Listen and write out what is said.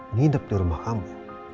nidep di rumah kamu